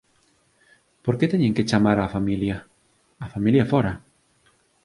Por que teñen que chamar á familia? A familia fóra